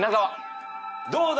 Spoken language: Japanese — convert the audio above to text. どうだ！？